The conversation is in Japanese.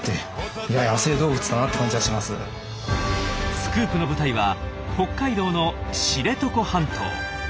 スクープの舞台は北海道の知床半島。